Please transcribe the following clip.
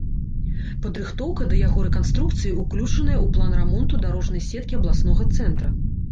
Падрыхтоўка да яго рэканструкцыі ўключаная ў план рамонту дарожнай сеткі абласнога цэнтра.